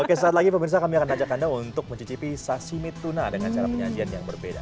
oke saat lagi pemirsa kami akan ajak anda untuk mencicipi sashimi tuna dengan cara penyajian yang berbeda